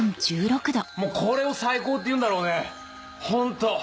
もうこれを最高って言うんだろうねホント。